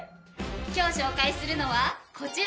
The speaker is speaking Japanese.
今日紹介するのはこちら！